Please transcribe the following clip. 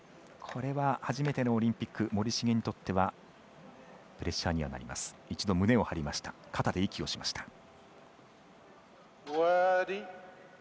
これは初めてのオリンピック森重にとってはプレッシャーになりました。